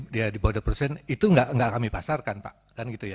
di bawah dua puluh itu gak kami pasarkan pak